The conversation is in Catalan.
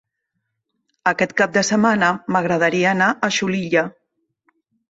Aquest cap de setmana m'agradaria anar a Xulilla.